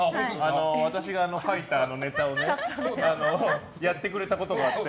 私が書いたネタをやってくれたことがあって。